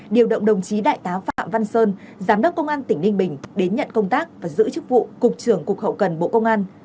điều động đồng chí đại tá phạm văn sơn giám đốc công an tỉnh ninh bình đến nhận công tác và giữ chức vụ cục trưởng cục hậu cần bộ công an